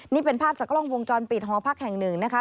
นี่เป็นภาพจากกล้องวงจรปิดหอพักแห่งหนึ่งนะคะ